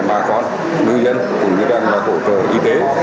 mà có người dân cũng như đang hỗ trợ y tế